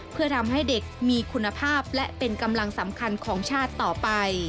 เพื่อทำให้เด็กมีคุณภาพและเป็นกำลังสำคัญของชาติต่อไป